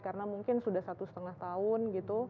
karena mungkin sudah satu setengah tahun